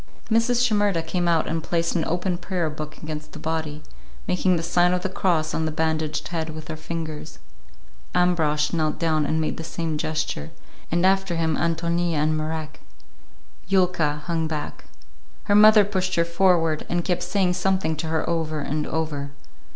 Mrs. Shimerda came out and placed an open prayer book against the body, making the sign of the cross on the bandaged head with her fingers. Ambrosch knelt down and made the same gesture, and after him Ántonia and Marek. Yulka hung back. Her mother pushed her forward, and kept saying something to her over and over.